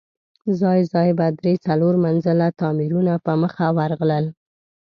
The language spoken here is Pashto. ځای ځای به درې، څلور منزله تاميرونه په مخه ورغلل.